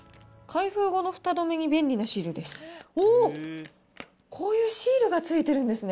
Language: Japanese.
開封後のふた止めに便利なシールです。